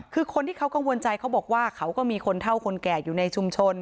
คือคนที่เขากังวลใจเขาบอกว่าเขาก็มีคนเท่าคนแก่อยู่ในชุมชน